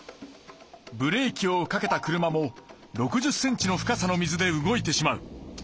ブレーキをかけた車も６０ｃｍの深さの水で動いてしまう。